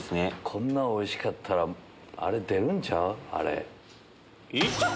こんなおいしかったらあれ出るんちゃう？